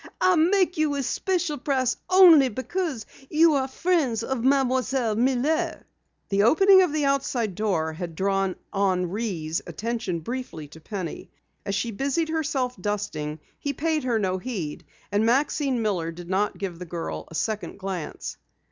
I make you a special price only because you are friends of Mademoiselle Miller." The opening of the outside door had drawn Henri's attention briefly to Penny. As she busied herself dusting, he paid her no heed, and Maxine Miller did not give the girl a second glance.